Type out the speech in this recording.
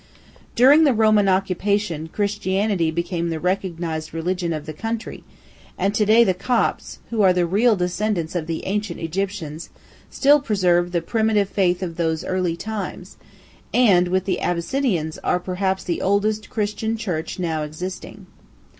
During the Roman occupation Christianity became the recognized religion of the country, and to day the Copts (who are the real descendants of the ancient Egyptians) still preserve the primitive faith of those early times, and, with the Abyssinians, are perhaps the oldest Christian church now existing.